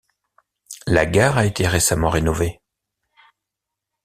La gare a été récemment rénovée.